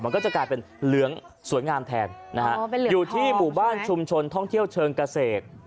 มันก็จะกลายเป็นเหลืองสวยงามแทนนะฮะอยู่ที่หมู่บ้านชุมชนท่องเที่ยวเชิงเกษตร